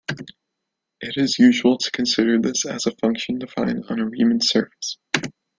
It is usual to consider this as a function defined on a Riemann surface.